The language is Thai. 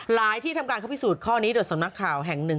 ที่ทำการเขาพิสูจน์ข้อนี้โดยสำนักข่าวแห่งหนึ่ง